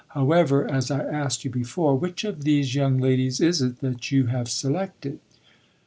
However, as I asked you before, which of these young ladies is it that you have selected?"